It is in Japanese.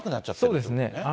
そうですね。